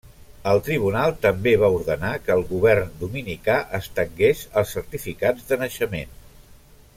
El tribunal també va ordenar que el govern dominicà estengués els certificats de naixement.